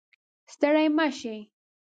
ستړې مه شئ